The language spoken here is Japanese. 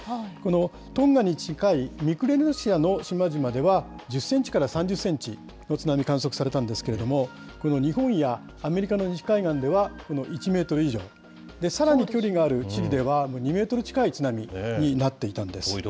このトンガに近いミクロネシアの島々では、１０センチから３０センチの津波、観測されたんですけれども、日本やアメリカの西海岸では１メートル以上、さらに距離があるチリでは２メートル近い津波になっていたんです。